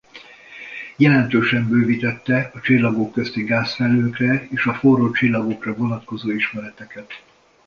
Jelentősen bővítette a csillagok közti gázfelhőkre és a forró csillagokra vonatkozó ismereteket.